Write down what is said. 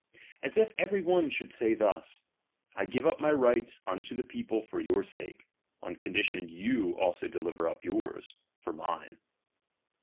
As if every one should say thus : I give up my right nnto the people for your sake, on condition that you also deliver up yours for mine.